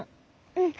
うん。